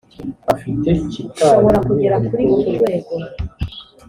shobora kugeza kuri urwo rwego